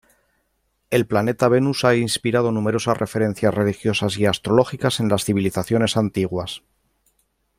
El planeta Venus ha inspirado numerosas referencias religiosas y astrológicas en las civilizaciones antiguas.